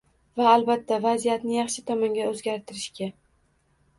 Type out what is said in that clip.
Va albatta, vaziyatni yaxshi tomonga o‘zgartirishga